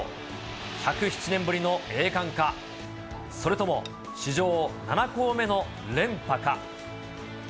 １０７年ぶりの栄冠か、それとも史上７校目の連覇か。